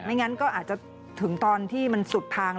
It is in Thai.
งั้นก็อาจจะถึงตอนที่มันสุดทาง